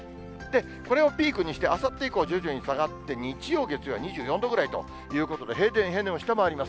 これをピークにして、あさって以降、徐々に下がって、日曜、月曜は２４度ぐらいということで、平年を下回ります。